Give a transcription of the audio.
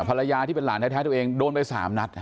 ภรรยาที่เป็นหลานแท้ตัวเองโดนไป๓นัด